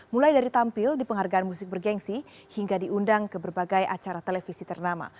mulai dari tampil di penghargaan musik bergensi hingga diundang ke berbagai acara televisi ternama